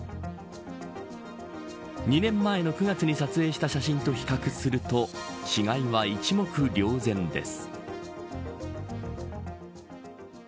２年前の９月に撮影した写真と比較すると違いは一目瞭然です。